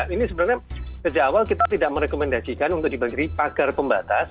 ini sebenarnya sejak awal kita tidak merekomendasikan untuk dibagiri pagar pembatas